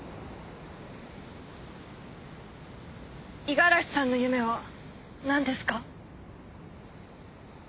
五十嵐さんの夢は何ですか？